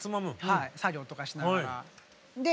はい作業とかしながら。